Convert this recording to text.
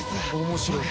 面白い。